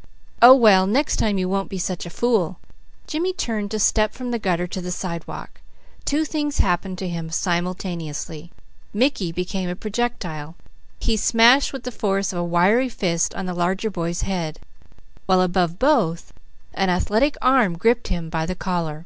_" "Oh! Well next time you won't be such a fool!" Jimmy turned to step from the gutter to the sidewalk. Two things happened to him simultaneously: Mickey became a projectile. He smashed with the force of a wiry fist on the larger boy's head, while above both, an athletic arm gripped him by the collar.